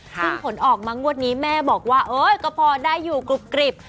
ซึ่งผลออกมางวดนี้แม่บอกว่าก็พอได้อยู่กรุบกริบ